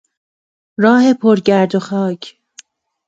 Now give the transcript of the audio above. راه پرگرد و خاک